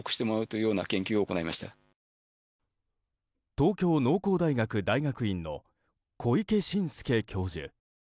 東京農工大学大学院の小池伸介教授。